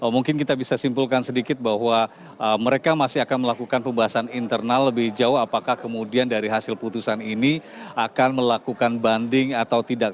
mungkin kita bisa simpulkan sedikit bahwa mereka masih akan melakukan pembahasan internal lebih jauh apakah kemudian dari hasil putusan ini akan melakukan banding atau tidak